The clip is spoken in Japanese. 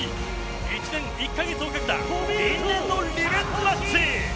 １年１か月をかけた因縁のリベンジマッチ。